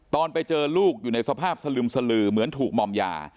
ตอนไปเจอลูกอยู่ในสภาพสลึมสลือเหมือนถูกมอมยา